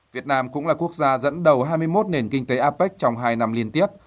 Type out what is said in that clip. việt nam cũng là quốc gia dẫn đầu hai mươi một nền kinh tế apec trong hai năm liên tiếp